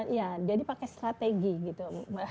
iya jadi pakai strategi gitu